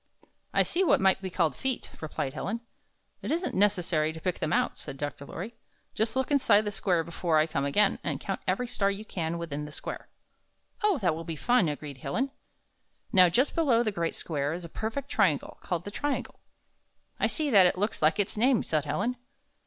"I see what might be called feet," replied Helen. "It isn't necessary to pick them out," said Dr. Lorry. "Just look inside the square be fore I come again, and count every star you can see within the square." "Oh, that will be fun!" agreed Helen. "Xow, just below the Great Square is a perfect triangle, called the Triangle." "I see that, and it looks like its name," said Helen.